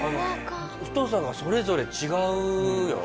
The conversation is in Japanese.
太さがそれぞれ違うよ。